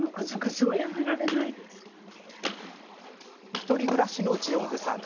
１人暮らしのジオングさん。